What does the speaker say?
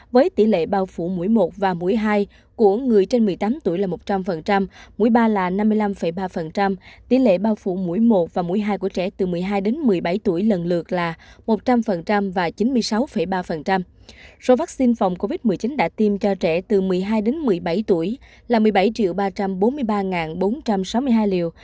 với tỷ lệ bao phủ mũi một và mũi hai của trẻ từ một mươi hai đến một mươi bảy tuổi là một mươi bảy ba trăm bốn mươi ba bốn trăm sáu mươi hai liều